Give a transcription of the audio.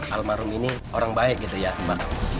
almarhum ini orang baik gitu ya mbak